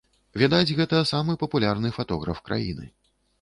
Відаць, гэта самы папулярны фатограф краіны.